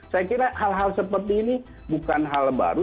saya kira hal hal seperti ini bukan hal baru